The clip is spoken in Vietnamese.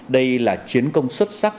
đây là chiến công xuất sắc